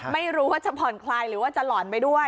ไม่รู้ว่าจะผ่อนคลายหรือว่าจะหล่อนไปด้วย